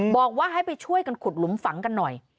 บอกว่าให้ไปช่วยกันขุดหลุมฝังกันหน่อย